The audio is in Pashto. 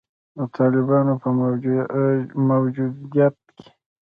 د طالبانو په موجودیت کې